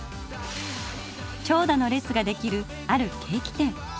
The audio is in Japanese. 長蛇の列ができるあるケーキ店。